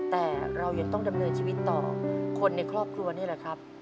แต่เรายังต้องดำเนินชีวิตต่อคนในครอบครัวนี่แหละครับ